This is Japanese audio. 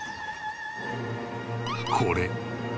これ。